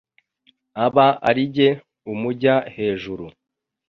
aba arijye umujya hejuru.